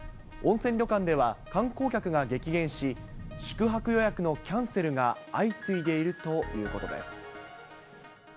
温泉旅館では観光客が激減し、宿泊予約のキャンセルが相次いでいるということです。